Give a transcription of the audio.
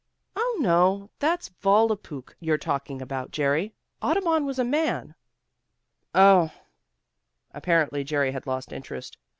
"Oh, no! That's Volapük you're talking about, Jerry. Audubon was a man." "Oh!" Apparently Jerry had lost interest.